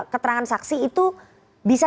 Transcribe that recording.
keterangan saksi itu bisa